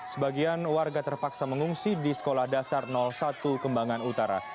sebagian warga terpaksa mengungsi di sekolah dasar satu kembangan utara